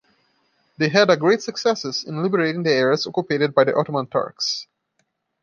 They had a great successes in liberating the areas occupied by the Ottoman Turks.